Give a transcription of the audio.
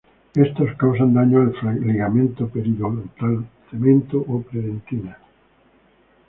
Estos causan daño al ligamento periodontal, cemento o pre-dentina.